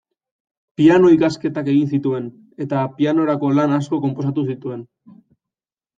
Piano-ikasketak egin zituen, eta pianorako lan asko konposatu zuen.